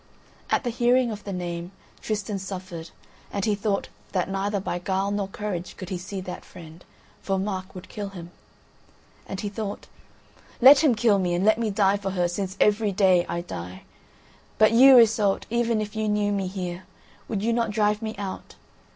At the hearing of the name, Tristan suffered, and he thought that neither by guile nor courage could he see that friend, for Mark would kill him. And he thought, "Let him kill me and let me die for her, since every day I die. But you, Iseult, even if you knew me here, would you not drive me out?"